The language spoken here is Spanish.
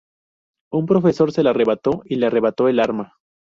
Un profesor se la arrebató y le arrebató al arma.